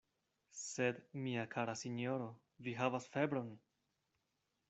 Sed, mia kara sinjoro, vi havas febron!